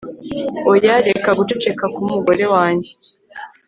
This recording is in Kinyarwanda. oya, reka guceceka k'umugore wanjye